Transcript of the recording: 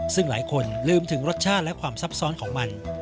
ซึ่งหลายคนลืมถึงรสชาติและความซับซ้อนของมัน